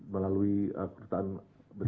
melalui ketua ketua ketua ketua ketua ketua ketua